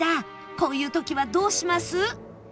こういう時はどうします？